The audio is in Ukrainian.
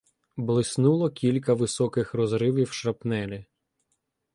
Блиснуло кілька високих розривів шрапнелі.